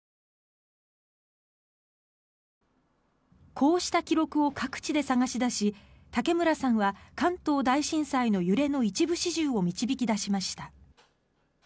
こうした記録を各地で探し出し武村さんは関東大震災の揺れの一部始終を導き出しました。